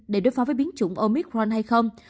để đối phó với biến chủng omicron hay không